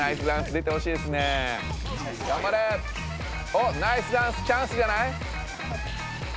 おっナイスダンスチャンスじゃない？